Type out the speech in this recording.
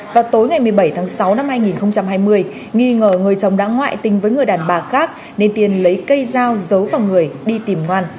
vào tối ngày một mươi bảy tháng sáu năm hai nghìn hai mươi nghi ngờ người chồng đã ngoại tình với người đàn bà khác nên tiên lấy cây dao giấu vào người đi tìm ngoan